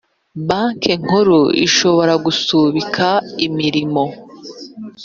Banki Nkuru ishobora gusubika imirimo